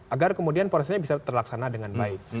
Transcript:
agar kemudian prosesnya bisa terlaksana dengan baik